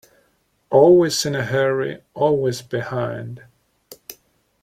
Always in a hurry, always behind.